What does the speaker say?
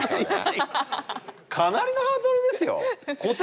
かなりのハードルですよ！